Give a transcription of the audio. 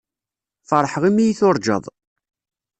Feṛḥeɣ imi iyi-tuṛǧaḍ.